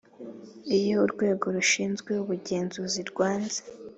Iyo Urwego rushinzwe ubugenzuzi rwanze